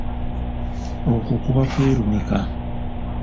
Okwo kuba kwerumika.